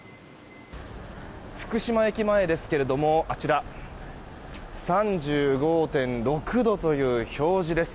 福島駅前ですけどもあちら３５．６度という表示です。